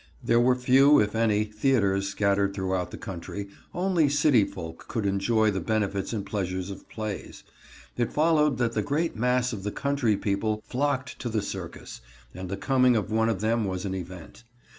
There were few, if any, theaters scattered throughout the country. Only city folk could enjoy the benefits and pleasures of plays. It followed that the great mass of the country people flocked to the circus, and the coming of one of them was an event.